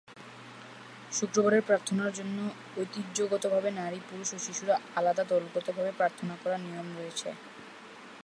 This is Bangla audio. শুক্রবারের প্রার্থনার জন্য ঐতিহ্যগতভাবে নারী, পুরুষ ও শিশুরা আলাদা দলগত ভাবে প্রার্থনা করার নিয়ম রয়েছে।